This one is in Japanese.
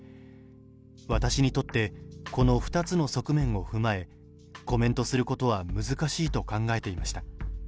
私にとって、この２つの側面を踏まえ、コメントすることは難しいと考えていました。